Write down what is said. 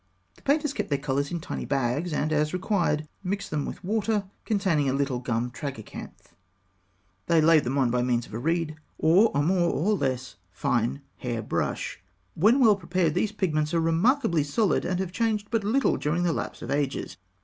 The painters kept their colours in tiny bags, and, as required, mixed them with water containing a little gum tragacanth. They laid them on by means of a reed, or a more or less fine hair brush. When well prepared, these pigments are remarkably solid, and have changed but little during the lapse of ages.